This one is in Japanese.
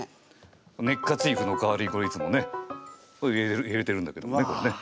ネッカチーフの代わりにこれいつもね入れてるんだけどもね。